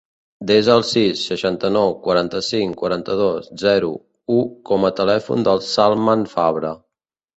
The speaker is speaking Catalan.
Desa el sis, seixanta-nou, quaranta-cinc, quaranta-dos, zero, u com a telèfon del Salman Fabre.